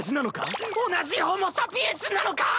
同じホモサピエンスなのか⁉